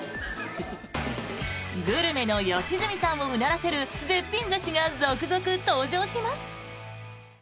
グルメの良純さんをうならせる絶品寿司が続々登場します。